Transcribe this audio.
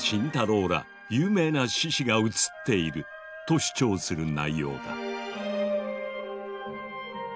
ら有名な志士が写っていると主張する内容だ。